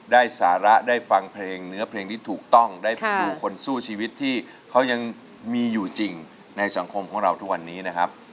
ได้สาระได้ฟังเพลงเนื้อเพลงที่ถูกต้องได้ไปดูคนสู้ชีวิตที่เขายังมีอยู่จริงในสังคมของเราทุกวันนี้นะครับ